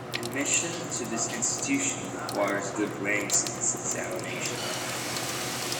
Admission to this institution requires good ranks in this examination.